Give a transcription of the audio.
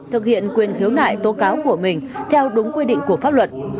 thực hiện quyền khiếu nại tố cáo của mình theo đúng quy định của pháp luật